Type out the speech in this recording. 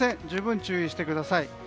十分注意してください。